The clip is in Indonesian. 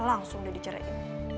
langsung udah dicerain